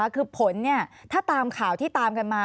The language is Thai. คือผลถ้าตามข่าวที่ตามกันมา